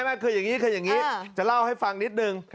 ไม่คืออย่างนี้จะเล่าให้ฟังนิดนึง